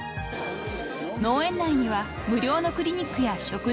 ［農園内には無料のクリニックや食堂を造り